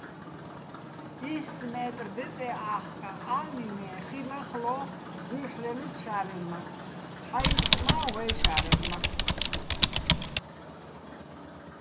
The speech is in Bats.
ისს მეტრ დეწე́ ა́ხკაჼ ა́ლნი, მე ხი ლახლო́ დუ́ჲჰ̦რელოჩო̆ შა́რენმაქ, ცჰ̦აიტტ მა - ვეჲ შა́რენმაქ.